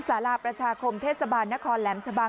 สาราประชาคมเทศบาลนครแหลมชะบัง